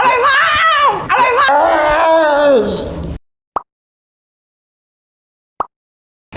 อร่อยมาก